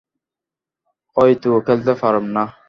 অয় তো খেলতে পারুম না।